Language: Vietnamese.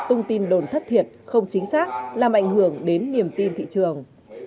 tung tin đồn thất thiệt không chính xác làm ảnh hưởng đến niềm tin thị trường